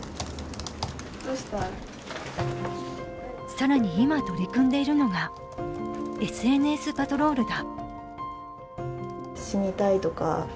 更に今、取り組んでいるのがＳＮＳパトロールだ。